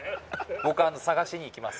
僕探しに行きます。